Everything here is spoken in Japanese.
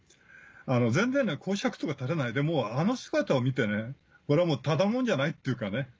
全然講釈とか垂れないであの姿を見てこれはもうただ者じゃないっていうかね。